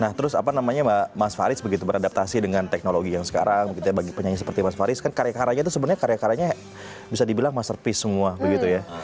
nah terus apa namanya mas faris begitu beradaptasi dengan teknologi yang sekarang gitu ya bagi penyanyi seperti mas faris kan karyakaranya tuh sebenarnya karyakaranya bisa dibilang masterpiece semua begitu ya